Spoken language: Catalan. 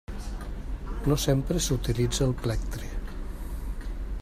No sempre s'utilitza el plectre.